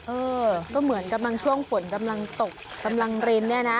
เออก็เหมือนกำลังช่วงฝนกำลังตกกำลังรินเนี่ยนะ